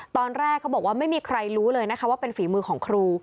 ตอนแรกเขาบอกว่าไม่มีใครรู้เลยนะคะว่าเป็นฝีมือของครู